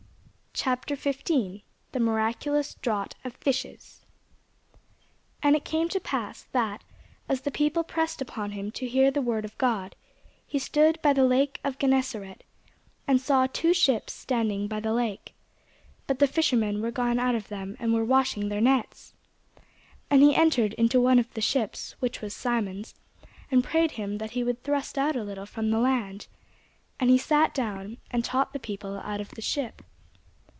CHAPTER 15 THE MIRACULOUS DRAUGHT OF FISHES AND it came to pass, that, as the people pressed upon him to hear the word of God, he stood by the lake of Gennesaret, and saw two ships standing by the lake: but the fishermen were gone out of them, and were washing their nets. And he entered into one of the ships, which was Simon's, and prayed him that he would thrust out a little from the land. And he sat down, and taught the people out of the ship.